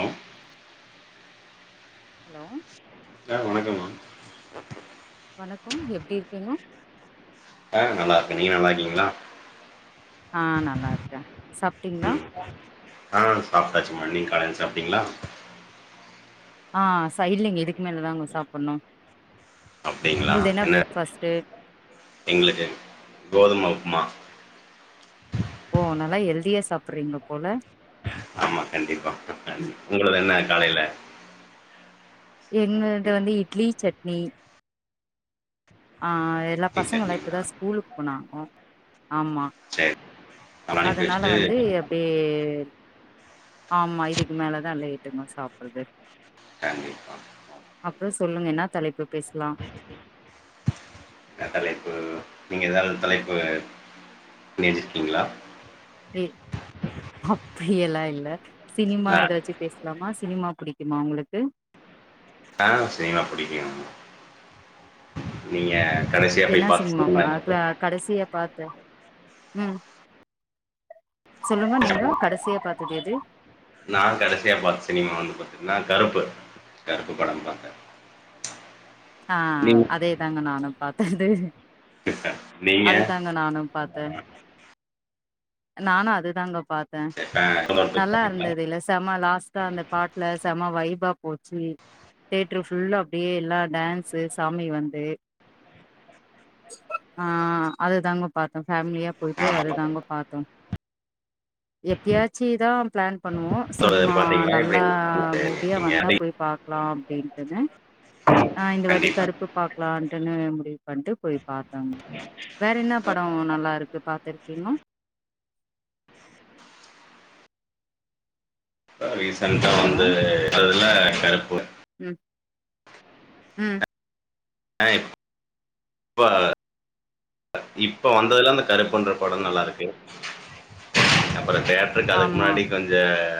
ஆ hello ஆ வணக்கம்மா வணக்கோ எப்டி இருக்கீங்க ஆ நல்லா இருக்கே நீங்க நல்லா இருக்கீங்களா ஆ நல்லா இருக்கே சாப்ட்டீங்களா ம் ஆ சாப்ட்டாச்சுமா நீங்க காலையில சாப்ட்டீங்களா ஆ செய்யலங்க இதுக்கு மேலதான்ங்க சாப்டணு அப்டிங்ளா என்ன எங்களுக்கு கோதும உப்மா ஓ நல்லா ஹெல்தியா சாப்டுறீங்க போல ஆமா கண்டிப்பா [unintelligible] உங்களது என்ன காலைல என்னது வந்து இ ட்லி சட்னி ஆ எல்லா இட்லி பசங்கலா இப்பதா சட்னிங்களா ஸ்கூலுக்கு போனாங்கோ ஆமா சரி அதெல்லாம் அனுப்பி அதனால வச்சுட்டு வந்து அப்டியே ஆமா இதுக்கு மேலதா லேட்டுங்க சாப்பறது கண்டிப்பா அப்புறோ சொல்லுங்க என்னா தலைப்பு பேசலா என்னா தலைப்பு நீங்க எதாது தலைப்பு பண்ணி வச்சிருக்கீங்களா ம் அப்டி எல்லா இல்ல சினிமா ஆ எதாச்சி பேசலாமா சினிமா புடிக்குமா உங்களுக்கு அ சினிமா புடிக்கு நீங்க கடைசியா என்னா போய் பார்த்த சினிமா பாக்கற என்னது கடசிய பாத்தே ம் சொல்லுங்கோ நீங்கோ கடசியா பாத்த தெரியாது நா கடைசியா பாத்த சினிமா வந்து பாத்தீங்கன்னா கருப்பு கருப்பு படம் பாத்தே ஆ நீங்க அதே தாங்க நானு பாத்தது நீங்க அதுதாங்க நானு பாத்த நானு அதுதாங்க பாத் த ஆ நல்லா பாத்தீங்களா? இருந்தது இல்ல செம லாஸ் த்தா அந்த பாட்ல செம வைபா போச்சி தேயட்டர் ஃபுல்லா அப்பிடியே எல்லா டேன்ஸ் சாமி வந்து ஆ அதுதாங்க பாத்தோ ஃபேமிலியா போயிட்டு ஆமா அதுதாங்கோ பாத்தோ எப்பயாச்சிதா பிளான் பண்ணுவோ பாத்தேன். சினிமா பாத்தீங்களா எப்படி நல்லா சரி, மூவியா நீங்க வந்தா அதை போய் பாக்கலா சே தோழர் ஆ இந்த வாட்டி கண்டிப்பா கருப்பு பாக்கலான்ட்டுன்னு முடி பண்ட்டு போயி பாதங்க வேற என்ன படோ நல்லா இருக்கு பாத்துரு தினோ சாரிஸ் சண்ட ஹலோ வந்து அதுல கருப்பு ம் ம் அ இப்ப இப்ப வந்ததுலா அந்த கருப்பு இன்ற படோ நல்லா இருக்கு ப்பறோ தியேடருக்கு அதுக்கு ஆமா முன்னாடி கொஞ்ச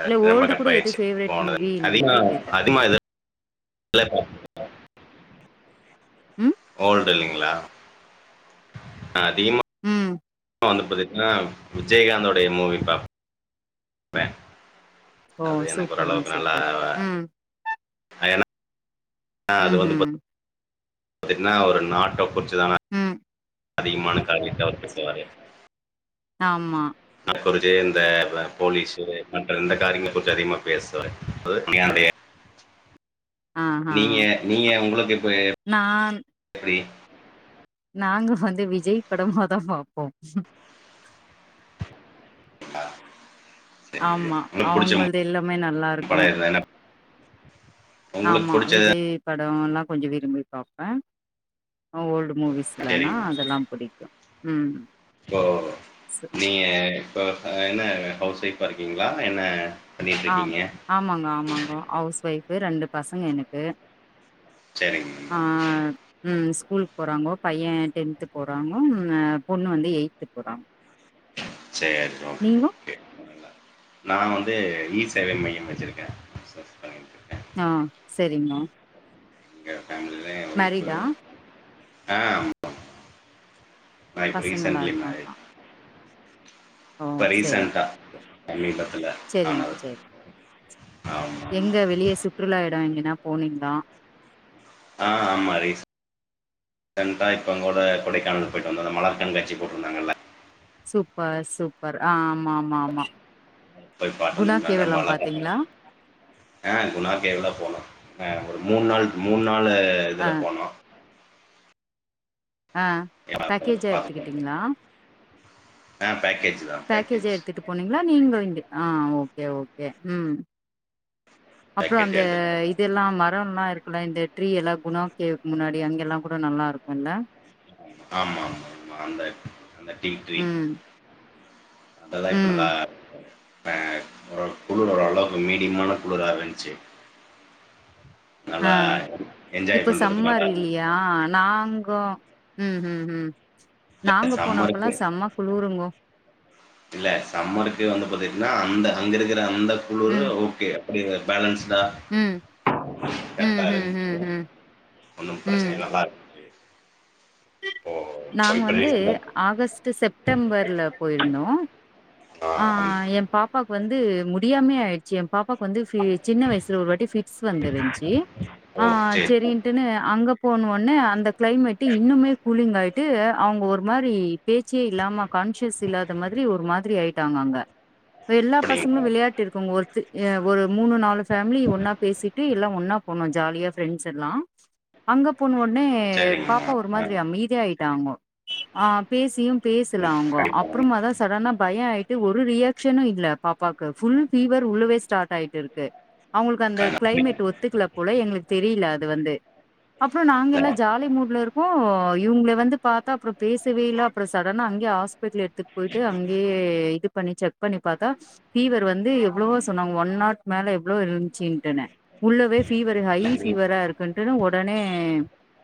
இல்ல ரொம்ப ஓல்டு கூட எது டஃபாயிசு ஃபேவரெட் போனது மூவின்ட்டு அதிகம் கேட்டே அதிகமாக இத [unintelligible] ம் ஓல்டு இல்லைங்களா அதிக ம் மா வந்து பாத்தீங்னா விஜயகாந்துடைய மூவி பாப் பே ஓ அது எனக்கு சூப்பருங்க ஓரளவுக்கு நல்லா சூப்பர் இதுவா ஆ ஏன்னா ம் ஹும் தீங்கனா ஒரு நாட்ட புச் சுதாங்க ம் அதிகமான காரியத்த அவரு போய் செய்வாரு ஆமா குறிச்சு இந்த ஆ போலீஸு மற்ற எந்த காரியமு குறித்து அதிகமா பேசுவாரு அதாவ்து ஆஹா நீங்க நீங்க உங்களுக்கு இப்ப நான் எப்டி நாங்க வந்து விஜய் படமாதா பாப்போ ஆ சரி ஆமா உங்களுக்கு பிடிச்ச அவங்கள்து எல்லாமே நல்லா இருக்கு படம் இருந்தா என்ன உங்களுக்கு ஆமா பிடிச்சது விஜய் ப டோ எல்லா கொஞ்ச விரும்பி பாப்பே ஆ ஓல்டு மூவிஸ்லனா சரிங்கண்ணா அதெல்லா புடிக்கு ம் இப்போ சு நீங்க இப்ப ஆ என்ன ஹவுஸ் ஒய்ஃபா இருக்கீங்களா என்ன பண்ணிட்டு ஆ இருக்கீங்க ஆமாங்க ஆமாங்கோ ஹவுஸ் ஒய் ஃபு ரெண்டு பசங்க எனக்கு ஆ சரிங்கண்ணா ம் ஸ்கூல் போறாங்கோ பைய டென்த்து போறாங்கோ ஆ பொண்ணு வந்து எயித் போறாங்கோ செரி ஓகே ஓகே [inaudible] நா வந் ந்து இ சேவை மையம் வச்சிருக்க பிசினஸ் பண்ணிட்ருக் ஆ செரிங்கோ இங்க ஃபேமிலில யேன் ஓய்ஃபு மேரிடா ஆ ஆமா ஆ இப்ப பசங்கல்லா ரீசன்ட்லி இருக்காங்களா மேரீட் ஓ இப்ப செரிங் ரீசன்டா சமீபத்துல ஆமா செரிங்க அது செரிங் எங்க வெளிய சுற்றுலா எடோ எங்கனா போனிங்தா ஆ ஆமா ரீஸ் ஸன்ட்டா இப்ப அங்கோட கொடைக்கானல் போயிட்டு வந்தோ அந்த மலர் கண்காட்சி போட்ருந்தாங்கல்ல சூப்பர் சூப்பர் ஆ ஆமா ஆமா ஆமா போய் பாட்டு குணா வந்தோ ரொம்ப கேவெல்லாம் அழகா பாத்தீங்களா இருந்துஆ குணா கேவ்லா போனோ ஆ ஒரு மூணு நாள் மூண் னாலு ஆ இதுல போனோ ஆ பேக்கேஜா பாத்துட்டு வந்தோம். எடுத்துக்கிட்டீங்களா ஆ பேக்கேஜ் தான் பேக்கேஜா பேக்கேஜ். எடுத்துட்டு போனீங்களா நீங்களு இங்க ஆ ஓகே ஓகே உ அப்றோ பேக்கேஜ் அந்த எடுத்துட்டு இதெல்லா மரோல்லா இருக் ல்ல இந்த ட்ரீ எல்லா குணா கேவ்க்கு முன்னாடி அங்க எல்லா கூட நல்லா இருக்கும்ல்ல ஆமா ஆமா அந்த ட்ரீ ம் அதலா ம் இப்பநலா அ ஒரு குளிர் ஓரளவுக்கு மீடியமான குளிரா இருன்ச்சு ஆ இப்ப சம்மர் நல்லா இருந்துச்சு. இல்லையா நாங்கோ உ உ உ நாங்க போனப்பல்லா சம்மருக்கு செம குளிருங்கோ இல்ல சம்மருக்கு வந்து பாத்திட்டீன்னா அந்த அங்க இருக்கிற த அந்த குழுரு ம் ஓகே [unintelligible] பேலன்ஸ் அதா ம் கர்ட்டா ம் ம் இருக்கு ம் ம் ஒன்னு ம் பிரச்சனைலா வராது நாங்க வந்து ரீசெண்டா ஆகஸ்ட் செப்டம்பர்ல போயிருந்தோ ஆ எ பாப்பாக் வந்து முடியாமயே ஆயிடுச்சு எம் பாப்பாக்கு வந்து சின்ன வயசுல ஒரு வாட்டி பிக்ஸ் வந்துருந்துச்சு ஆ ஓ! சரி. சரின்ட்டுன்னு அங்க போனு ஒண்ணே அந்த கிளைமேட்டு இன்னுமே கூலிங் ஆயிட் ட்டு அவங்க ஒரு மாரி பேச்சே இல்லாம கான்சியஸ் இல்லாத மாதிரி ஒரு மாதிரி ஆயிட்டாங்க அங்க இப்ப எல்லா பசங்களு அப்படிங்களா? விளையாட் இருக்கங்க ஒருத்து ஏ ஒரு மூனு நாலு ஃபேமிலி ஒன்னா பேசிட்டு எல்லா ஒன்னா போனோ ஜாலியா ஃப்ரெண்ட்ஸ் எல்லா அங்க போன உன்னே சரிங்கம்மா. பாப்போ ஒரு ஆ. மாதிரி அமைதிய ஆயி ட்டாங்கோ ஆ பேசியு ம். பேசலாங்கோ கண்டிப்பா. அப்புறமாதா சடனா பய ஆயிட்டு ஒரு ரியாக்ஷனு இல்ல பாப்பாக்கு ஃபுல் ஃபீவர் உள்ளவே ஸ்டார்ட் ஆயிட்டு இருக்கு அவுங்களுக்கு அந்த கண்டிப்பா. கிளைமேட் ஒத்துக்கல போல எங்களுக்கு தெரியலா டு வந்து அப்புறோ நாங்க இல்ல எல்லா ஜாலி மூடுல இருக்கோ போ இவுங்க வந்து பாத்தா அப்புறோ பேசவே இல்ல அப்புறோ சடனா அங்கே ஹாஸ்பிட்டலு த்துக்கு போயிட்டு அங்கேயே இது பண்ணிச்ச ப்பண்ணி பாத்தா ஃபீவர் வந்து எவ்ளவோ சொன்னாங்க ஒன் நாட் மேல எவ்ளோ இருந்ச்சின்ட்டுன்ன உள்ளவே ஃபீவர்ரு ஹை இல்ல. ஃபீவரா இருக்குன்டுன்ன ஒடனே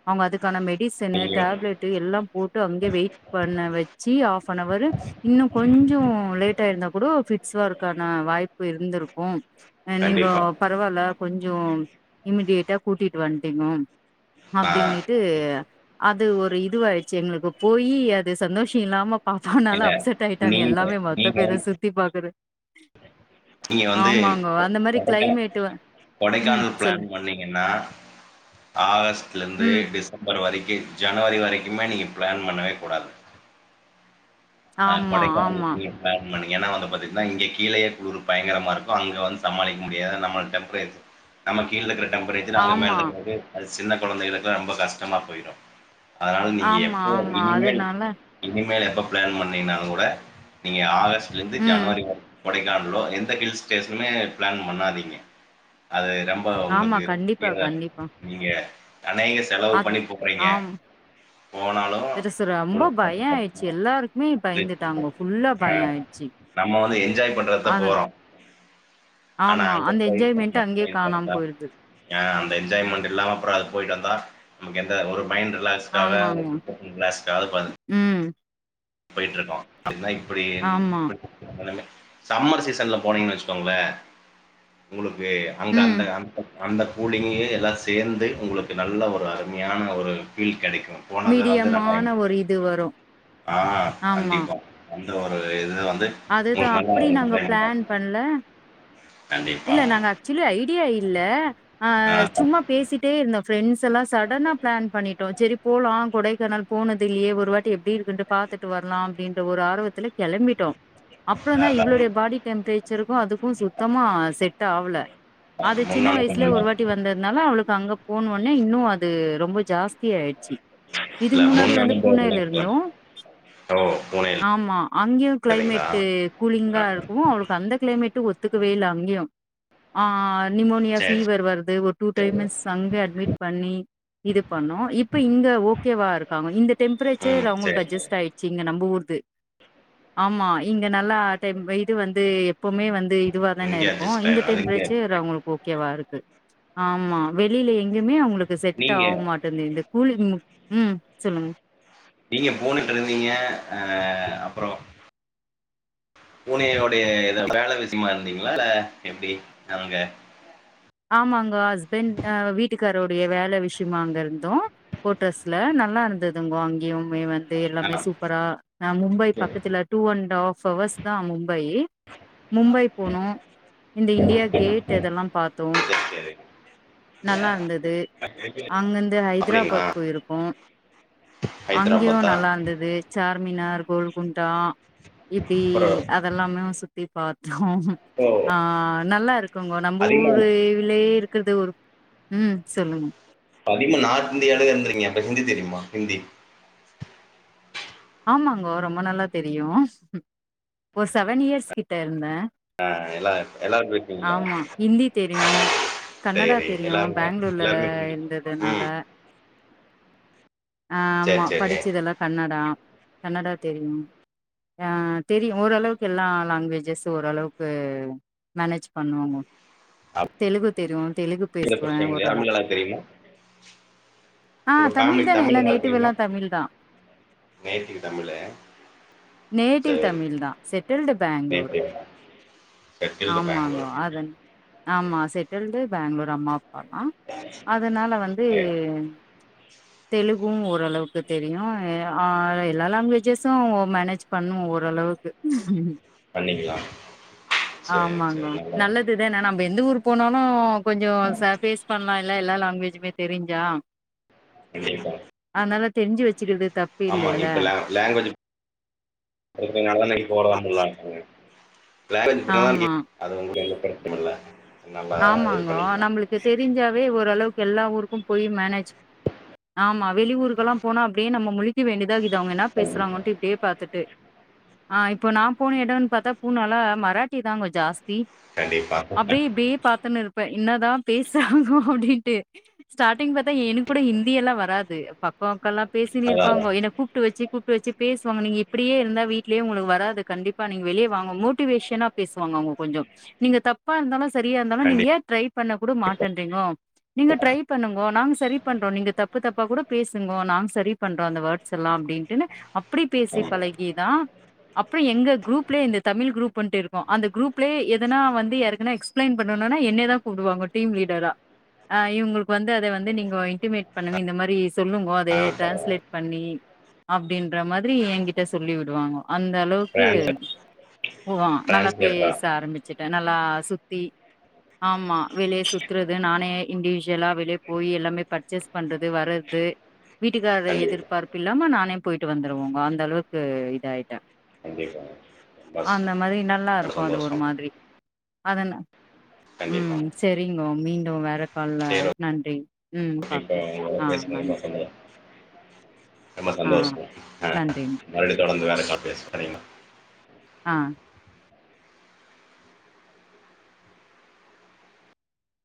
அவங்க அதுக் க்கான மெடிசன் டேப்லெட் ட்டு எல்லா போட்டு அங்கே வெயிட் பண்ண வச்சி ஆஃப் நவரு இன்னு கொஞ்சோ லேட் ட்டே இருந்தா கூட பிட்ஸ் ஒர்க் வரக்கான வாய்ப்பு இருந்திருக்கு அ நீங்கோ கண்டிப்பா. பரவால்ல கொஞ்சம் இமிடியேட்டா கூட்டிட்டு வந்துட்டீங்கோ ஆ அப்டின்னுட்டு அ து ஒரு இ துவாயிச்சி எங்களுக்கு போய் அது சந்தோஷ இல்லாம பாப்பானால இல்ல. அப்செட் ஆயிட்டாங்க நீங்க எல்லாமே மொத்த நீங்க பேர வந்து- சுத்தி பாக்குற நீங்க வந்து ஆமாங்க அந்த மாரி கொடைக்கா கிளைமேட்டு ம் கொடைக்கானல் சொல்லு பிளான் பண்ணீங்கன்னா ஆகஸ் ட்ல இருந்து ம் டிசம்பர் வரைக் கி ஜனவரி வரைக்குமே நீங்க பிளான் பண்ணவே கூடாது ஆ ஆமா கொடைக்கான ஆமா [unintelligible] பண்ணு ஏன்னா வந்து இங்க கீழயே குளுரு பயங்கரமா இருக்கு அங்க வந்து சமாளிக்க முடியாது நமளுக்கு டெம்ப்ரேச நம்ம கீழ இருக்க டெம்ப்ரேசர் அங்க மேல ஆமா இருக்குரவங்ளு அது ச சின்ன குழந்தைகளுக்குலா ரொம்ப கஷ்டமா போயிடு அதனால நீங்க ஆமா எப்போவு ஆமா இனிமேல் அதனால இனிமேல் எப்ப பிளான் பண்ணீங்கனாலு கூட நீங்க ஆகஸ்ட் லந்து ம் ஜனவரி வர கொடைக்கானலோ எந்த ஹில் ஸ்டேஷனுமே பிளான் பண்ணாதீங்க அது ரொம்ப ஆமா உங்களுக்கு கண்டிப்பா கண்டிப்பா [unintelligible] நீங்க நறைய செலவு அத் பண்ணி போறீங்க ஆம் போனாலு திருசு ரொம்ப உங்களுக்கு பய வந்து ஆயிடுச்சு பாத்தீங்கனா எல்லாருக்குமே அது பயந்துட்டாங்க ஃபுல்லா ஆ பய ஆயிடுச்சு நம்ம வந்து என்ஜாய் பண்றத்தா அத போறோ ஆனா ஆமா அங்க அந்த போய் என்ஜாய்மெண்ட் அங்கேயே காணாம போயிருது அந்த என்ஜாய்மெண்ட் இல்லாம அப்புறோ அது போயிட்டு வந்தா நமக்கு எந்த ஒரு மைண்ட் ரிலாக்ஸ்க்காக ஆமாங்க ரிலாஸ்க்காக பன்னது ம் போயிட்ருக்கோ அதுதாய் அப்டியேன் ஆமா இப்ட [unintelligible] நெலம சம்மர் சீசன்ல போனீங்கன்னு வச்சுக்கோங்களே உங்களுக்கு குஅங்க ம் அந்த அந்த அந்த கூலிங்கு எல்லா சேர்ந்து உங்களுக்கு நல்ல ஒரு அருமையான ஒரு ஃபீல் கடைக்கு மீடியமான ஒரு இது வரு ஆ கண்டிப்பா இந்த ஒரு இது வந்து அதுதா உங்களுக்கு நல்லா அப்படி நாங்க என்ஜாய்மெண்ட்டா பிளான் இருக்கும். பண்ல இல்ல கண்டிப்பாங்க. நாங்க ஆக்சுவலி ஐடியா இல்ல ஆ சும்மா பேசிட்டே இருந்தோ ஃப்ரெண்ஸ் எல்லா ஸடனா பிளான் பண்ணிட்டோ சரி போலா கொடைக்கானல் போனது இல்லையே ஒரு வாட்டி எப்படி இருக்குன்னு பாத்துட்டு வரலா அப்படின்ற ஒரு ஆர்வத்துல கெளம்பிட்டோ அப்புறந்தா அதான் இவளோட பாடி டெம்ப்ரேச் க்கு அதுக்கு சுத்தமாஸ் செட் ஆவல அது முன் சின்ன வயசுல அனுபவம்லாம் ஒரு இல்ல வாட்டி வந்ததுனால அவுளுக்கு அங்க போனவுன்னே இன்னு அது ரொம்ப ஜாஸ்தி ஆயிட்ச்சி இல்ல, இதுக்கு முன்னாடி முன் வந்து பூனேல அனுபவம்லாம் இருந்தோ இருக்கலாம். ஓ! பூனேல ஆமா அங்கயு இருக்குறீங்களா? கிளைமேட்டு கூலிங்கா ஆஹ. இருக்கு அவளுக்கு அந்த கிளைமேட்டு ஒத் துக்கவே இல்ல அங்கயு ஆ நிமோனியா சரி, ஃபீவர் வருது ஒரு டூ சரி. டைமன்ஸ் அங்க அட்மிட் பண்ணி இது பண்ணோ இப்ப இங்க ஓகேவா இருக்காங்கோ இந்த டெம்ப்ரேச்சர் ம். சரி, அவங்களுக்கு சரி. அட்ஜஸ்ட் ஆயிடுச்சு இங்க நம் ஊர்து ஆமா இங்க நல்லா டைம் ஆ இது வந் து எப்பமே வந்து இதுவாதானே இங்க இருக் அட்ஜஸ்ட் இந்த ஆயிரும். அது இங்க டெம்ப்ரேச்சர் அவங்களுக்கு ஓகே வா இருக்கு ஆமா வெளில எங்கயுமே அவங்களு க்கு செட் ஆக நீங்க மாட்டேன்து இந்த கூலிங் ம் சொல்லுங்க நீங்க போனுண்ட்ருந்தீங்க ஆ அப்புறோ பூனே உடைய இது வேல விஷயமா இருந்தீங்களா இல்ல எப்டி அங்க ஆமாங்கோ ஹஸ்பெண்ட் ஆ வீட்டுக்காருடைய வேல விஷயமா அங்க இருந்தோ கோட்டர்ஸ்ல நல்லா இருந்ததுங்கோ அங்கயுமே வந் து ஆ. எல்லாமே சூப்பரா ஆ மும்பை சரி, பக்கத்துல டூ அண்ட் ஆஃப் ஹவர்ஸ்தா அங்க இருந்து மும்பை மும்பை போனோ இந்த இந்தியா கேட் இதெல்லா பாத் ம் சரி, சரி. நல்லா இருந்தது அங்கிர்ந்து அப்படிங்களா? ஹைதராபாத் போயிருக்கோ அங்கயு ஹைதராபாத்தா? நல்லா இருந்தது சா ர்மினார் கோல்குண்டா இப்டி அப்புறம் அதெல்லாமே சுத் தி பாத் தோ ஓ! ஆ நல்லா இருக்குங்கோ நம்ப அதிகமா ஊர் லயே இருக்கிறது ஒரு ம் சொல்லுங்கோ அதிகமா நார்த் இந்தியால இருந்துருக்கீங்க அப்ப ஹிந்தி தெரியுமா ஹிந்தி ஆமாங்கோ ரொம்ப நல்லா தெரியு ஒரு செவன் இயர்ஸ் கிட்ட இருந்தே அ எல்லா எல்லாரும் பேசுவீங்களா? ஆமா ஹிந்தி தெரியு கன்னடா சரி. தெரியு எல்லாருமே பேங்ளூர்ல எல்லாருமே ஹிந்தி. இருந்ததுனால ம். சரி, ஆமா சரி. படிச்சதெல்லா கன்னடோ கன்னடா தெரியு ஆ தெரியு ஓரளவுக்கு எல்லா லாங்வேஜஸு ஓரளவுக்கு மேனேஜ் பண்ணுவங்கோ அப் தெலுகு தெரியு தெலுகு எந்த பேசுவே பிரச்சனையும் இல்லையா? ஓரளவு தமிழ் நல்லா தெரியுமா? ஆ உங்க ஃபேமிலிக்கு தமிழ்தானே தமிழ் எல்லா நல்லா நேட்டிவ் தெரியுமா? எல்லா தமிழ்தா நேட்டிவ் தமிழு. நேட்டிவ் சரி. தமிழ் தா செட்டில்டு பேங்களூரு நேட்டிவ் செட்டில்டு ஆமாங்க பெங்களூர். அத சரி, ஆமா செட்டில்டு பேங்ளூர் அம்மா அதனால வந்து சரி. தெலு ஓரளவுக்கு தெரியு ஆ எல்லா லாங்குவேஜஸு மேனேஜ் பண்ணு ஓரளவுக்கு பண்ணிக்கலாம். சரி, ஆமாங்க சரி. நல்லா நல்லதுதான நம்ம எந்த ஊர் போனாலு கொஞ்சோ சர்பேஸ் பண்ணலால்ல எல்லா லாங்குவேஜ் மே தெரிஞ்சா கண்டிப்பா. அதனால தெரிஞ்சு வச்சுக்குறது தப்பு இல்லேல்ல லேங்குவேஜ்ஜு இருக்குறதுனாலடி போறாங்கள்ள லாங்குவேஜ் இப்பதா ஆமா அது உங்களுக்கு எந்த பிரச்சன இல்ல நல்லா இது ஆமாங்க பண்ணிக்கலாம். நம்மளுக்கு தெரிஞ்சாவே ஓரளவுக்கு எல்லா ஊரு போய் மேனேஜ் ஆமா வெளி ஊருக்கல்லா போன அப்டியே நம்ம முழிக்க வேண்டியது இத இது அவுங்க என்னா கண்டிப்பா. பேசுறாங்கன்ட்டு இப்டியே பாத்துட்டு ஆ இப்போ நா போன எடன் பாத்தா பூனால மராட்டி தா கொஞ் ஜாஸ்தி கண்டிப்பா கூப்டே இருப்பே என்னதா பேசுறாங்கு அப்டின்ட்டு ஸ்டாட்டிங் பாத்த எனக்கு கூட ஹிந்தியல்லா வராது பக்கம் பக்கலா பேசினு அதான், அதான். இருப்பாங்க எனக் கூப்ட்டு வச்சு கூப்ட்டு வச்சு பேசுவாங்க நீங்க இப்டியே இருந்தா வீட்லயே உங்களுக்கு வராது கண்டிப்பா நீங்க வெளிய வாங்க மோட்டிவேசனா பேசுவாங்க கொஞ்சோ நீங்க தப்பா இருந்தாலு சரி ஃபிரீயா இருந்தாலு நீங்க கண்டிப்பா. ஏ ட்ரை பண்ண கூட மாட்டேன்றிங்கோ நீங்க ட்ரை பண்ணுங்கோ நாங்க சரி பண்றோ நீங்க தப்பு தப்பா கூட பேசுங்கோ நாங்க சரி பண்றோ அந்த வேட்ஸ்லா அப்டின்னு அப் ப்படி பேசி ஆமா. பழகிதா அப்றோ எங்க குரூப்லயே இந்த தமிழ் குரூப் பன்ட்டு இருக்கு அந்த குரூப்லய எதுனா வந்து யாருக்ன்னா எக்ஸ் எக்ஸ்பிளைன் பண்ணுனா என்னய தா கூப்பிடுவாங்க டீம் லீடரா இவுங்களுக்கு வந்து அத வந்து நீங்கள் இன்டிமேட் பண்ண இந்த மாதிரி சொல்லுங்கோ அத ஆ ட்ரான்ஸ்லேட் பண்ணி அப்டின்ற மாதிரி என்கிட்ட சொல்லி விடுவாங்கோ அந்த அளவுக்கு ட்ரான்ஸ்லேட் ஓ நல்லா ட்ரான்ஸ்லேட்டரா. பேச ஆரம்பிச்சட்டே நல்லா சு ஆமா வெளியே சுத்துறது நானே இன்டிவிஜுவலா வெளிய போய் எல்லாமே பர்ச்சேஸ் பண்றது வர்றது வீட்டுக்காரர் கண்டிப்பா, எதிர்பார்ப்பு இல்லாம நான் போயிட்டு வந்துருவோங்க அந்த அளவுக்கு இதா ஆயிட்டே கண்டிப்பா. ரொம்ப ச அந்த மாதிரி நல்லா ரொம்ப இருக்கு அது ஒரு சந்தோஷம். மாதிரி அதனா உ கண்டிப்பா. சரிங் மீண்டு வேற கால்ல நன்றி ம் கிப்பா பாப்போம் ந ஆ பேசண நன்றி மசம உ ரொம்ப ஆ சந்தோஷோ ஆஹ நன்றிங்க மறுபடி தொடர்ந்து வேற அ பேஸலா சரிங்லா ஆ